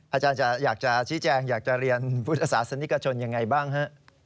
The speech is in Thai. อาจารย์อยากจะชี้แจงอยากจะเรียนพุทธศาสนิกชนยังไงบ้างฮะ